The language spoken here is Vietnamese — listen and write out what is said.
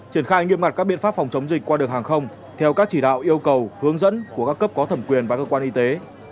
các biện pháp phòng chống dịch qua đường hàng không theo các chỉ đạo yêu cầu hướng dẫn của các cấp có thẩm quyền và cơ quan y tế